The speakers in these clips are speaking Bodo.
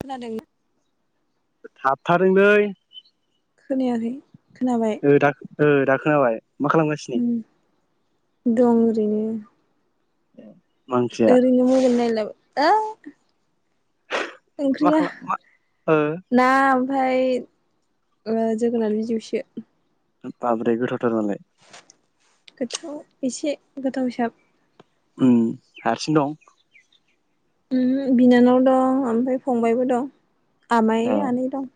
खोनादों थाबथादोंलै खोनायाखै खोनाबाय ओ दा ओ दा खोनाबाय मा खालामगासिनो? उम दं ओरैनो मा ओंख्रिया ओरैनो मबाइल नायला [unintelligible] मा ओंख्रिया खालाम मा ओ ना ओमफ्राय उम जोगोनार बिजौसो बाब्रे गोथावथार मालाय गोथाव एसे गोथावसाब उम हारसिं दं उम बिनानाव दं ओमफ्राय फंबायबो दं आमाइ ए आनै दं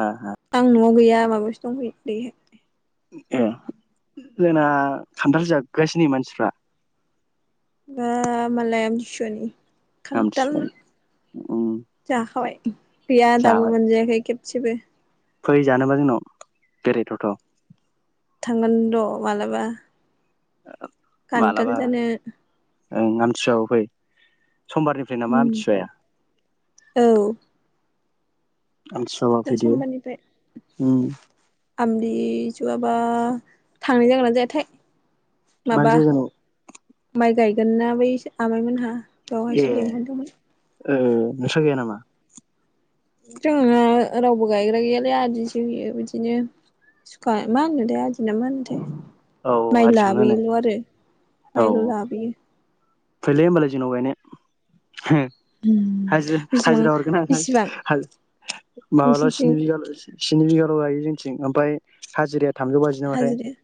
ओ ओ आं न'आव गैया माबायावसो दंफैयो बैहाय ए जोंना खान्थाल जागासिनो मानसिफ्रा बा मालाय आमथिसुवानि खान्थाल आमथिसुवानि उम जाखाबाय गैया दाबो जाबाय मोनजायाखै खेबसेबो फै जानोबा जोंनाव बेरायथावथाव थांगोन र' मालाबा खान्थाल मालाबा जानो ओं आमथिसुवाआव फै समबारनि फ्राय ना उम मा आमथिसुवाया औ आमथिसु दा समबारनिफ्राय आमथि सुवाबा थांनाय जागोनना जायाथाय मानो माबा जाया जानो माइ गायगोन ना बै आमाइमोनहा दहायसो लिंहरदोंमोन औ नोंसा गाया नामा? जोंहाना रावबो गायग्रा गैयालै आदिस होयो बिदिनो खाय मा बायदि आदि ना मा होनोथाय औ माइ आदिखौनो होनो लाबोयो आरो माइल' औ लाबोयो फैलै होमबालाय जोंनाव गायनो हो हाजिरा बेसेबां हाजिरा हरगोन बेसेबां आं माबाल' नोंसिनिथिं स्नि बिगाल' स्नि बिगाल' गायो जोंनिथिं ओमफ्राय हाजिराया थामजौ बाजि नामाथाय हाजिराया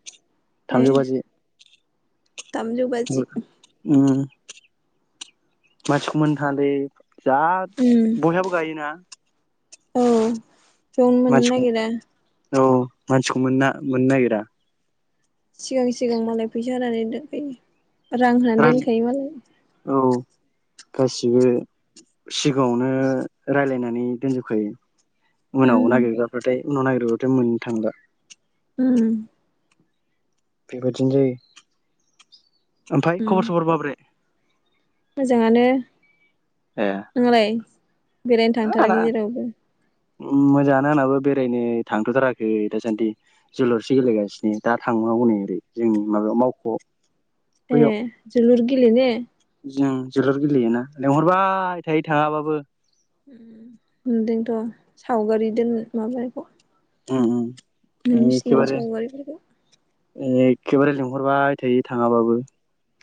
ए थामजौ बाजि थामजौ बाजि उम मानसिखौनो मोननो थाङालै दा उम बयहाबो गायोना औ बेयावनो मोननो मानसिखौ नागिरा औ मानसिखौ मोना मोननो नागिरा सिगां सिगां मालाय फैसा होनानै दोनखायो रां होनानै दोनखायो मालाय। औ गासिबो सिगाङावनो रायलायनानै दोनजोबखायो उनाव उम नागिरग्राफाथाय उनाव नागिरबाथाय मोननो थांला। उम। बेबायदिनो जायो ओमफाय उम खबर सबर माब्रै? मोजाङानो। ए। नोंहालाय बेरायनो थांथाराखै जेरावबो? ओम मोजाङानो आंनाबो बेरायनो थांथ'थाराखै दासान्दि। जोलुरसे गेलेगासिनो दा ‌थांनांगौनो ओरै जोंनि माबायाव मावख'आव। बैयाव ए जोलुर गेलेनो? जों जोलुर गेलेयोना लेंहरबाय थायो थाङाबाबो। उम नुदोंथ' सावगारि दोन माबानायखौ। उम उम एखेबारे सावगारिफोरखौ ऐखेबारे लिंहरबाय थायो थाङाबाबो।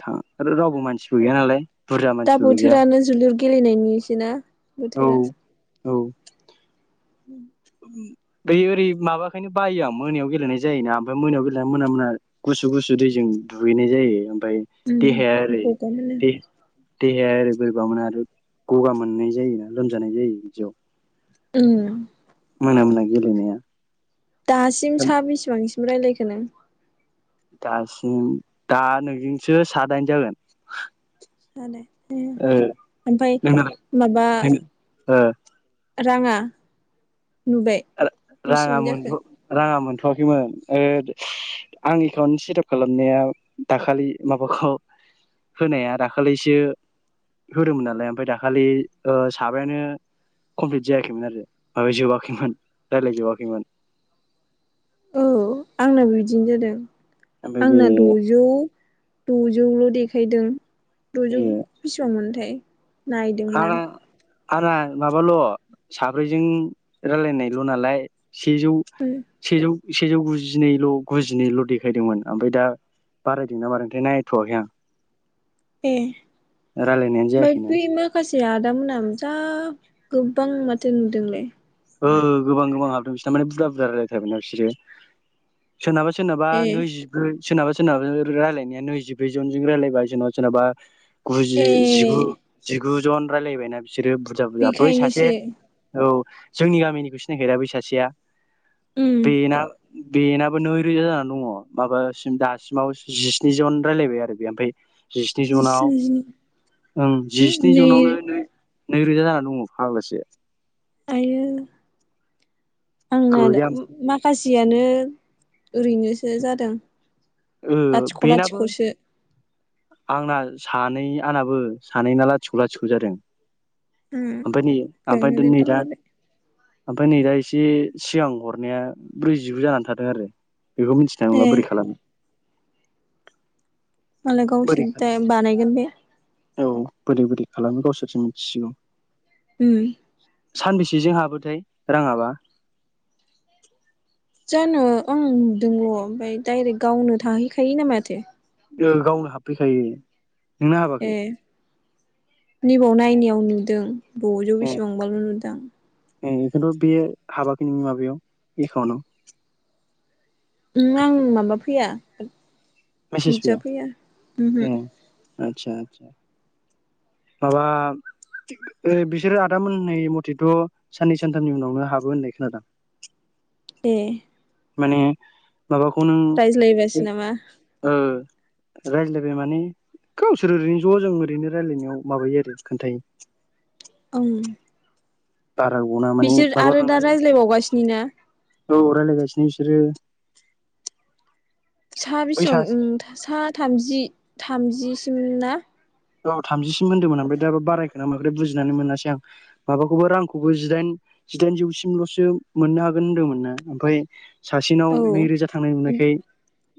था आरो रावबो मानसिबो गैया नालाय बुरजा दा मानसिफोरबो गैया। बोथोरानो जोलुर गेलेनायनिसो ना औ बोथोरा। औ। उम बै ओरै माबाखायनो बायो आं मोनायाव गेलेनाय जायोना ओमफाय मोनायाव गेलेना मोना मोना गुसु गुसु दैजों दुगैनाय जायो ओमफाय उम देहाया ओरै गगा मोनो दे देहाया ओरै बोरैबा मोनो आरो गगा मोननाय जायोना लोमजानाय जायो बिदियाव। उम। मोना मोना गेलेनाया दासिम सा बिसिबांसिम रायलायखो नों? दासिम दा नोंजोंसो सादाइन जागोन। दालाय ए ओ ओमफाय नोंनालाय माबा नों ओ राङा नुबाय? ओ राङा बेसेबां जाखो मोनथ' राङा मोनथ'वाखैमोन ओ आं एकाउन्ट सेटाप खालामनाया दाखालि माबाखौ होनाया दाखालैसो होदोमोन नालाय ओमफाय दाखालि ओ साबायानो कमप्लिट जायाखैमोन आरो माबा जोबाखैमोन रायलाय जोबाखैमोन। औ आंनाबो बिदिनो जादों ओमफ्राय बे आंना द'जौ द'जौल' देखायदों द'जौ ए बिसिबांमोनथाय आं आंना माबाल' साब्रैजों रायलायनायल' नालाय सेजौ [unintelligible] सेजौ सेजौ गुजिनैल' गुजिनैल' देखायदोंमोन ओमफाय दा बारायदोंना मादोंथाय नायथ'वाखै आं। ए रायलायनायानो [unintelligible] जायाखैना बै मा खासे आदामोनहा जा गोबां माथो नुदोंलै। ओ गोबां गोबां हाबदों बिसोरना माने बुरजा बुरजा रायलायथारबायना बिसोरो। सोरनाबा सोरनाबा ए नैजि ओ सोरनाबा सोरनाबा रायलायनाया नैजिब्रै जनजों रायज्लायबाय सोरनाबा सोरनाबा गुजि ए जिगु जिगुजन रायज्लायबायना बिसोरो बुरजा बुरजा बै सासे बेखायनोसो औ जोंनि गामिनिखौ सिनायखायो दा बै सासेया उम बेना बेनाबो नैरोजा जानानै दङ माबासिम दासिमाव जिस्नि जन रायलायबाय आरो बे ओमफ्राय जिस्नि जिस्निजिनै जनाव ओं जिस्नि नै जनावनो नै नैरोजा जानानै दङ फाग्लासो आयो आंना गैया दा मा खासियानो ओरैनोसो जादों। ओह लाथिख' बेनाबो लाथिख'सो आंना सानै आंनाबो सानैना लाथिख' लाथिख' जादों। उम ओमफाय नै ओमफाय बेयावनो दोनै दोनथाम दा हरबाय ओमफ्राय नै दा एसे सिगां हरनाया ब्रैजिगु जानानै थादों आरो बेखौ मिथि नाय ए नंला बोरै खालामो मालाय बोरै गावसिनि टाइम बानायगोन बे औ बोरै बोरै खालामो गावसोरसो मिथिसिगौ उम सानबेसेजों हाबोथाय राङाबा जानो आं नुदोंल' ओमफाय डाइरेक्ट गावनो थाहैखायो ना माथो ओ गावनो हाबफैखायो नोंना ए हाबाखै नैबाव नायनायाव नुदों द' जौ ए बेसेबांबाल' नुदां ए खिन्थु बे हाबाखै नोंनि माबायाव एकाउन्टाव ओम आं माबा फैया मेसेस फैया नुजाफैया ओमहो ओं आदसा आदबा माबाब ओ बिसोरो आदाम मोन होने मथेथ' साननै सानथामनि उनावनो हाबो होननाय खोनादां ए माने माबाखौ नों रायज्लायबासो नामा ओ रायज्लायबाय माने गावसोर ओरैनो ज' जों ओरैनो रायज्लायनायाव माबायो आरो खोन्थायो ओं बारा ग'ना माने बिसोर आरो दा माबाखांनानै रायज्लायबावगासिनो ना औ रायलायगासिनो बिसोरो बै साबिसज'न सासे ओम सा थामजि थामजिसिम ना? औ थामजिसिम होन्दोंमोन ओमफ्राय दाबा बारायखौना माखो बुजिनानै मोनासै आं। माबाखौबो रांखौबो जिदाइन जिदाइन जौसिमल'सो मोननो हागोन होनदोंमोन ना ओमफाय सासेनाव औ नै रोजा थांनाय नुनायखाय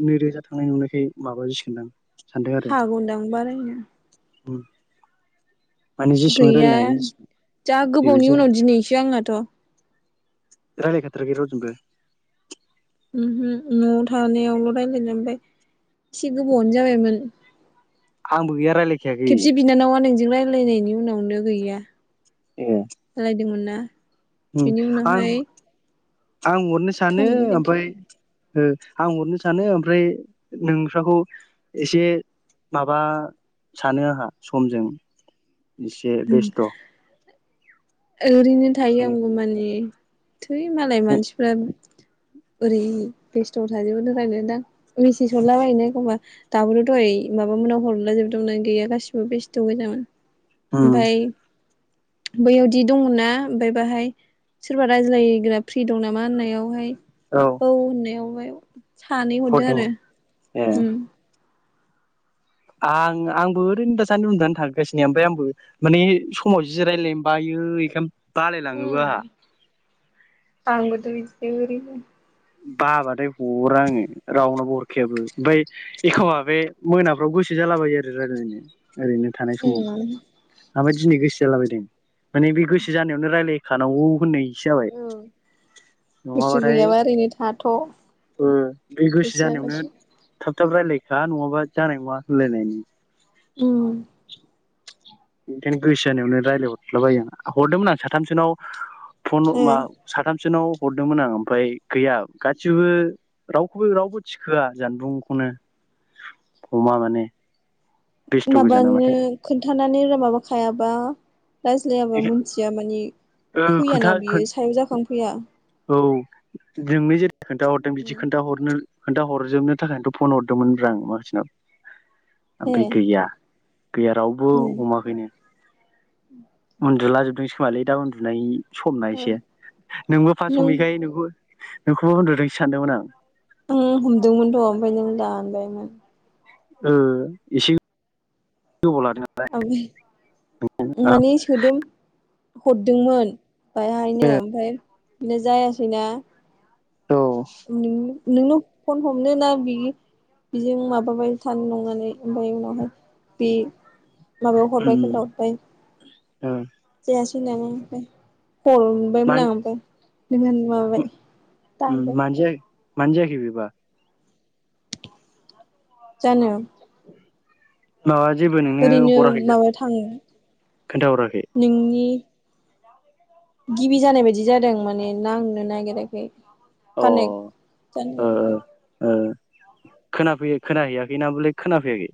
नै रोजा थांनाय नुनायखाय माबा सिगोनदां हागौदांमोनो उम माने जेसेबां गैया रायलायनो हायो एसेबां जा बेबायदि गोबावनि जायो उनाव दिनैसो आंनाथ' रायलायखाथाराखै रावजोंबो ओमहो न'आव थानायावल' रायलाय लायबाय एसे गोबावआनो जाबायमोन आंबो गैया रायलायखायाखै खेबसे बिनानावआ नोंजों रायलाय फैनायनि उनावनो गैया ए रायदोंमोन ना? ओम बिनि आं उनावहाय आं हरनो सानो फंबायजों ओमफाय खेबसे ओ आं हरनो सानो ओमफ्राय नोंस्राखौ एसे माबा सानो आंहा समजों इसे बेस्थ'। ओरैनो औ थायो आंबो मानि थै मालाय मानसिफ्रा ओरै बेस्थ'आव थाजोबोनो रायनो दां मेसेज हरलाबायो ना एखमबा। दाबोथ द'हाइ माबामोनाव हरलाजोबबोदोंमोन आं गैया गासिबो बेस्थ' गोजामोन। ओमफाय बैयाव दि दंमोना ओमफाय बाहाय सोरबा रायज्लायग्रा फ्रि दं नामा होननायावहाय औ औ होननायावहाय सानै हरदों आरो ए उम आं आंबो ओरैनो दासान्दि उनदुनानै थांगासिनो ओफ्राय आंबो माने समाव जिरायलायनो बायो एखायनो बालायलाङोबो उम आंहा। आंबोथ' बिदिनो आरैनो बाबाथाय हरा आङो रावनाव बो हरखायाबो ओमफाय एखमबा बे मोनाफ्राव गोसो जालाबायो आरो रायलायनो ओरैनो थानाय समाव उम ओमफ्राय दिनै गोसो जालाबायदों माने बे गोसो जानायावनो रायजलायखानांगौ होननायसो जाबाय। उम गैसो नङाबाथाय गैयाबा ओरैनो थाथ' बे गोसो गोसोआ जानायावनो गासै थाब थाब रायलायखा नङाबा जानाय नङा हलायनायनि। उम बेखायनो गोसो जानायावनो रायलायहरदलाबायो आं हरदोंमोन आं साथामसोनाव फन ए मा साथामसोनाव हरदोंमोन आं ओमफ्राय गैया गासिबो रावखौबो रावबो थिखोआ जानबुंखौनो हमा माने। बेस्थ' गोजा माबानो नामाथाय खोनथानानै माबाखायाबा। रायज्लायाबा मिथिया माने ओ खोन्था फैयाना बियो सायाव जाखां फैया। औ नोंनो जेरै खोन्थाहरदों बिदि खोन्थाहरनो खोनथा हरजोबनो थाखायनोथ' फन हरदोंमोनब्रा आं माखासेनाव। ए ओमफाय गैया, गैया रावबो उम हमाखैनो। उन्दुला जोबदोंसो खोमालै दा उन्दुनायनि समना औ एसे नोंबो नों समैखाय नोंखौ-नोंखौबो उन्दुदोसो सानदोंमोन आं उम हमदोंमोनथ' ओमफाय नों दानबायमोन। ओ इसे गोबाव लादों। [unintelligible] माने सोदोम हरदोंमोन। बायहायनो ओमफाय बिदिनो जायासैना। औ नोंनि नोंनो फन हमनो ना बियो? बिजों माबाबाय थानो नंनानै ओमफाय उनावहाय बे माबायाव हरबाय उम खोन्थाहरबाय उम जायासै होनानो [unintelligible] हर मान [unintelligible] माबाबाय उम दानबाय मानो जाया मानो जायाखै बिबा? जानो? माबा जेबो नोंनो ओरैनो हराखै माबा थाङो खोन्थाहराखै? नोंनि गिबि जानाय बायदि जादों माने नांनो नागिराखै। अ ओ कनेक्ट आनो ओ जायाखै। ओ खोनाफैयो खोनाहैयाखै ना बले खोनाफैयाखै?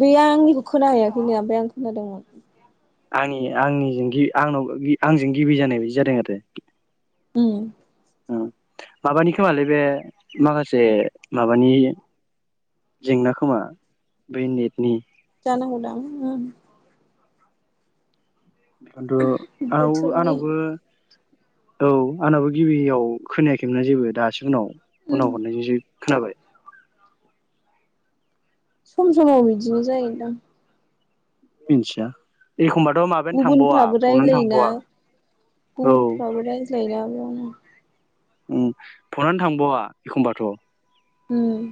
बेयो आंनिखौ खोना हैयाखैनो ओमफ्राय आं खोनादोंमोन। आंनि आंनिजों गि आंनाव आंजों गिबि जानाय बायदि जादों आरो। उम। ओ माबानि खोमालै बे माखासे माबानि जेंना खोमा बेै नेटनि। जानांगौ दां उम। खिन्थु आंनाव बोथोरनि आंनावबो औ आंनाबो गिबियाव खोनायाखैमोनना जेबो दासो उनाव उनाव उम हरनायजोंसो खोनाबाय। सम समाव बिदिनो जायोनदां। मिथिया एखमबाथ' मा गुबुनफ्राबो रायलायोना औ गुबुनफ्राबो रायज्लायोना बेयावनो। उम फनानो थांबावा एखमबाथ'। उम।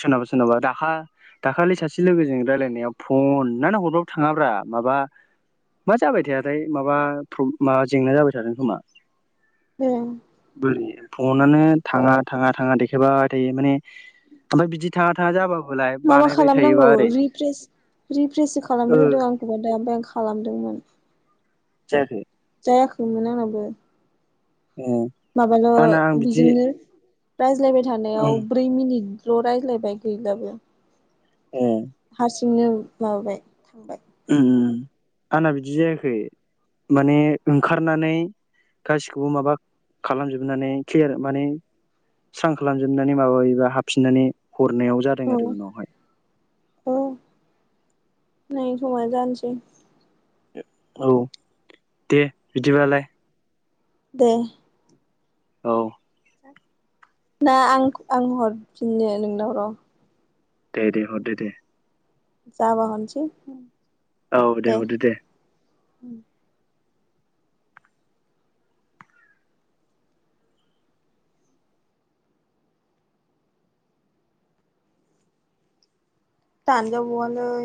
सोरनावबा सोरनावबा दाखा दाखालि सासे लोगोजों रायलायनायाव फनानो हरबाबो थाङाब्रा माबा मा जाबाय थायाथाय माबा फ्र माबा जेंना जाबाय थादों खोमा। ए। बोरै फनानो थाङा थाङा थाङा देखायबाय थायो माने आमफ्राय बिदि थाङा थाङा जाबाबोलाय माबा बानायबाय खालामनांगौ थायोबा ओरै रिफ्रेस रिफ्रेससो ओ खालामनो होदों आं‌ खौबो, दा ओमफाय आं खालामदोंमोन। जायाखै? जायाखैमोन आंनाबो। एह। माबाल' बिजोंनो रायज्लायबाय ए थानायाव ब्रै मिनिटल' रायज्लायबाय गैलाबो। एह। हारसिंनो माबाबाय थांबाय। उम उम उम आंना बिदि जायाखै माने ओंखारनानै गासिखौबो माबा खालामजोबनानै क्लियार माने स्रां खालामजोबनानै माबायोबा हाबफिननानै हरनायाव जादों। औ आरो उनावहाय औ नै समा जानोसै। औ दे बिदिबालाय। दे। औ। ना आं आं हरफिननो नोंनाव र'। दे दे हरदो दे। जाबा हरनोसै। औ दे हरदो दे। दानजा बावालै।